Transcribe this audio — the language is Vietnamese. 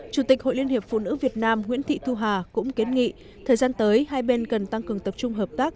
chủ tịch hội liên hiệp phụ nữ việt nam nguyễn thị thu hà cũng kiến nghị thời gian tới hai bên cần tăng cường tập trung hợp